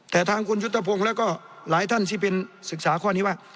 แต่ทางคุณยุทธพงศ์แล้วก็หลายท่านที่เป็นศึกษาข้อนี้ว่า